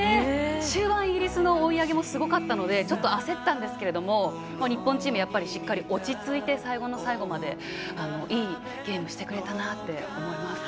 終盤、イギリスの追い上げもすごかったので焦ったんですけど日本チーム、しっかり落ち着いて最後の最後までいいゲームしてくれたなって思います。